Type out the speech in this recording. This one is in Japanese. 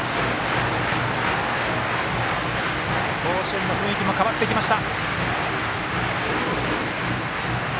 甲子園の雰囲気も変わってきました。